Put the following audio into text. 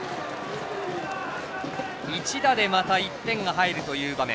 一打でまた１点が入る場面。